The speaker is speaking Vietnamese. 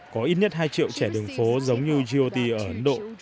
có ít nhất hai triệu trẻ đường phố giống như gooti ở ấn độ